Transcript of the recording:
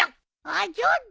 あっちょっと。